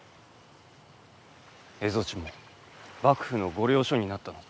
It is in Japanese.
蝦夷地も幕府の御料所になったのだ。